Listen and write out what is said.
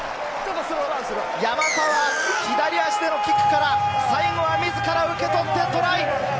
山沢、左足でのキックから最後は自ら受け取ってトライ！